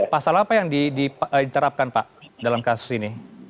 pasal apa yang diterapkan pak dalam kasus ini